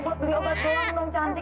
buat beli obat doang bang cantik